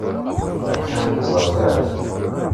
Attan deg uɣerbaz.